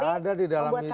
buat khawatir gak